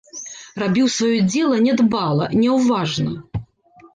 Рабіў сваё дзела нядбала, няўважна.